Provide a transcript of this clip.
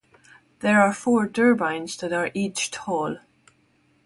There are four turbines that are each tall.